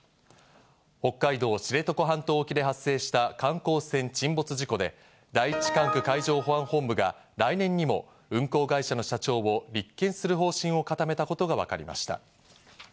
北海道知床半島沖で発生した観光船沈没事故で第一管区海上保安本部が来年にも運航会社の社長を立件する方針を固めたことがわかりました。